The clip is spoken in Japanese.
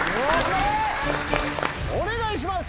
お願いします！